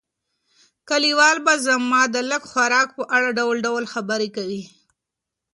کلیوال به زما د لږ خوراک په اړه ډول ډول خبرې کوي.